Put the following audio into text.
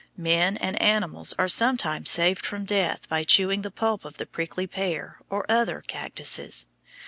Men and animals are sometimes saved from death by chewing the pulp of the prickly pear or other cactuses.